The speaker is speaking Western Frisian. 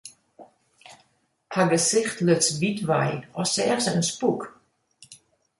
Har gesicht luts wyt wei, as seach se in spûk.